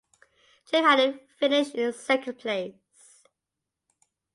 Jim Hallet finished in second place.